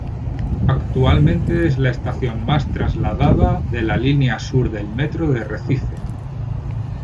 Actualmente es la estación más trasladada de la línea Sur del Metro de Recife.